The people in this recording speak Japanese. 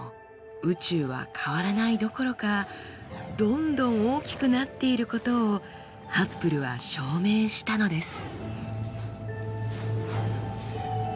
宇宙は変わらないどころかどんどん大きくなっていることをハッブルは証明したのです。